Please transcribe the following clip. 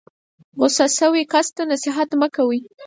غسه شوي کس ته نصیحت مه کوئ.